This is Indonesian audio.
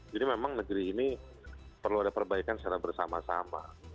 jadi memang negeri ini perlu ada perbaikan secara bersama sama